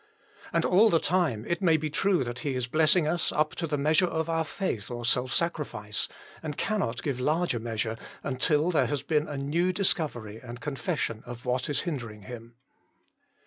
And all the time it may be true that He is blessing us up to the measure of our faith or self sacrifice, and cannot give larger measure, until there has been a new discovery and confession of what is hindering Him.